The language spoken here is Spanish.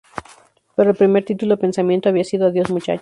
Pero el primer título pensamiento había sido "Adiós Muchachos".